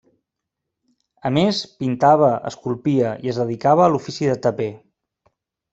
A més, pintava, esculpia i es dedicava a l'ofici de taper.